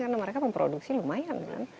karena mereka memproduksi lumayan kan